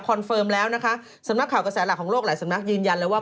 เฟิร์มแล้วนะคะสำนักข่าวกระแสหลักของโลกหลายสำนักยืนยันเลยว่า